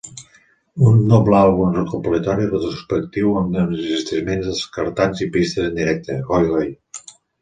Un doble àlbum recopilatori retrospectiu amb enregistraments descartats i pistes en directe, Hoy-Hoy!